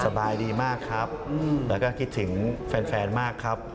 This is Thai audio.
สบายดีมากครับแล้วก็คิดถึงแฟนมากครับ